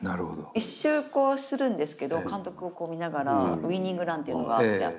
１周するんですけど監督を見ながらウイニングランっていうのがあって。